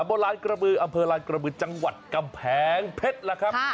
บนลานกระบืออำเภอลานกระบือจังหวัดกำแพงเพชรแล้วครับ